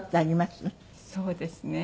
そうですね。